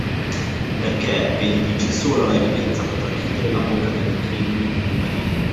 Perché, egli dice, sola la evidenza potrà chiudere la bocca degli increduli o dei maligni.